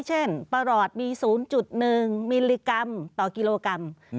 เช่นประหลอดมี๐๑มิลลิกรัมต่อกิโลกรัม